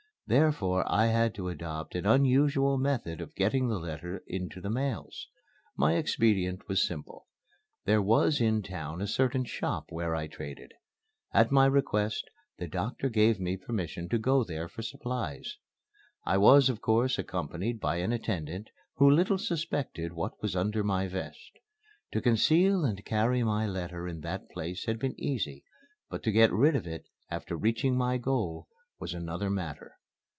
Therefore I had to adopt an unusual method of getting the letter into the mails. My expedient was simple. There was in the town a certain shop where I traded. At my request the doctor gave me permission to go there for supplies. I was of course accompanied by an attendant, who little suspected what was under my vest. To conceal and carry my letter in that place had been easy; but to get rid of it after reaching my goal was another matter.